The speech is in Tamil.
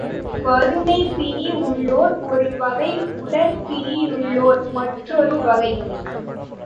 வறுமைப் பிணி உள்ளோர் ஒரு வகை உடற் பிணியுள்ளோர் மற்றொரு வகை.